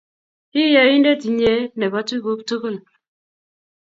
I Ya-indet, nye, ne bo tuguk tugul.